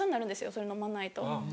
それ飲まないと。